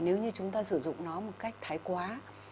nếu như chúng ta sử dụng nó một cách thái quá